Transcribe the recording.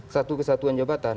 satu kesatuan jabatan